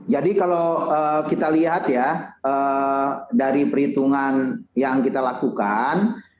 jadi kalau kita lihat ya dari perhitungan yang kita lakukan